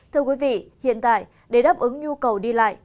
thưa quý vị hiện tại để đáp ứng nhu cầu đi lại